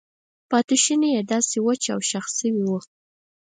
پاتې شونې یې داسې وچ او شخ شوي وو.